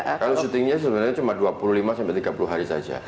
kalau syutingnya sebenarnya cuma dua puluh lima sampai tiga puluh hari saja